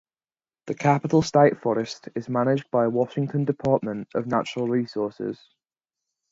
The Capitol State Forest is managed by Washington Department of Natural Resources.